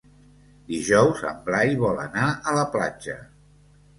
Dijous en Blai vol anar a la platja.